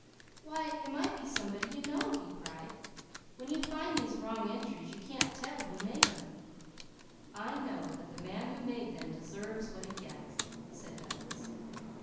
"Why it might be somebody you know!" he cried. "When you find these wrong entries you can't tell who made them." "I know that the man who made them deserves what he gets," said Douglas.